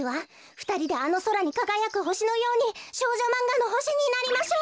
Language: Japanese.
ふたりであのそらにかがやくほしのように少女マンガのほしになりましょう。